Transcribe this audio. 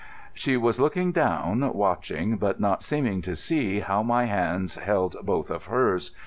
She was looking down, watching, but not seeming to see, how my hands held both of hers.